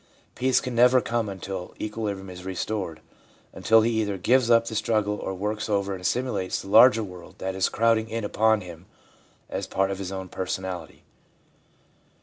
Peace can never come until equilibrium is restored ; until he either gives up the struggle, or works over and assimilates the larger world that is crowding in upon him as part of his own personality.